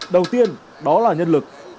đầu tiên đó là nhân lực